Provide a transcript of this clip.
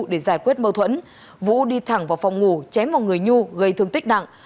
để giải quyết mâu thuẫn vũ đi thẳng vào phòng ngủ chém vào người nhu gây thương tích nặng